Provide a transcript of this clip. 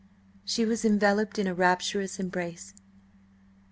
She was enveloped in a rapturous embrace.